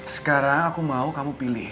sekarang aku mau kamu pilih